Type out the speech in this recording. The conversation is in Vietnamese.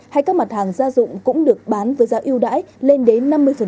hay các mặt hàng gia dụng cũng được bán với giá yêu đãi lên đến năm mươi